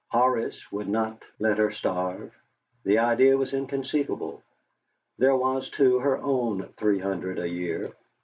Horace would not let her starve: the idea was inconceivable. There was, too, her own three hundred a year.